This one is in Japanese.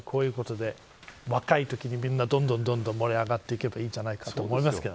若いときにみんなどんどん盛り上がっていけばいいんじゃないかと思います。